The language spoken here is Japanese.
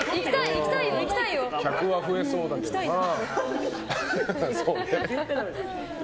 客は増えそうだけどな。